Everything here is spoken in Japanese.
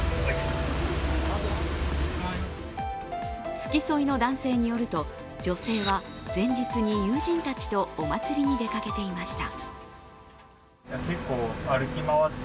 付き添いの男性によると女性は前日に友人たちとお祭りに出かけていました。